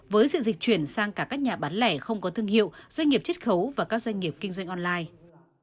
với sự dịch chuyển sang cả các nhà bán lẻ không có thương hiệu doanh nghiệp chất khấu và các doanh nghiệp kinh doanh online